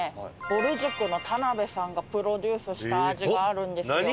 ぼる塾の田辺さんがプロデュースした味があるんですよ。